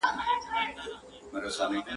د بل کټ تر نيمو شپو دئ.